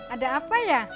ada apa ya